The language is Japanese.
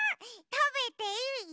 たべていい？いいよ。